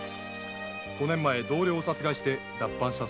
五年前同僚を殺害して脱藩したそうです。